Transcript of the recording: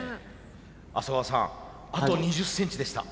麻生川さんあと２０センチでした。